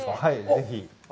ぜひ。